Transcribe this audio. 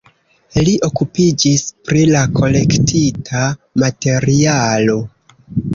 Li okupiĝis pri la kolektita materialo.